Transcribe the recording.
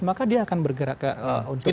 maka dia akan bergerak ke untuk diri